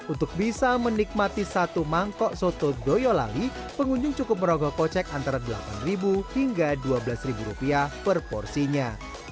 untuk bisa menikmati satu mangkok soto boyolali pengunjung cukup merogoh kocek antara delapan hingga rp dua belas rupiah per porsinya